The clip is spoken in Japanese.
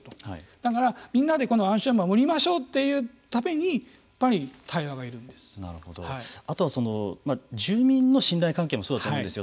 だから、みんなで安心を守りましょうというためにあとは、住民の信頼関係もそうだと思うんですよ。